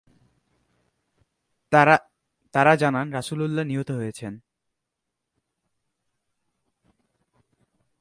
তারা জানান, রাসূলুল্লাহ নিহত হয়েছেন।